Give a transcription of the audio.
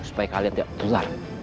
supaya kalian tidak tertular